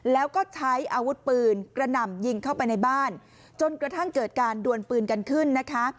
แล้วก็ใช้อาวุธปืนกระหน่ำยิงเข้าไปในบ้านจนกระทั่งเกิดการดวนปืนกันขึ้นนะคะ